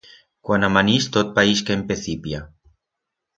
Cuan amanix tot paix que empecipia.